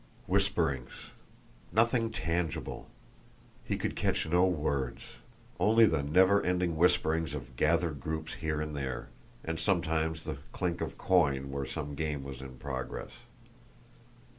Whisperings! Nothing tangible! He could catch no words. Only the never ending whisperings of gathered groups here and there and sometimes the clink of coin where some game was in progress.